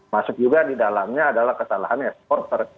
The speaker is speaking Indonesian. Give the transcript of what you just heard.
masuk juga di dalamnya adalah kesalahan eksporter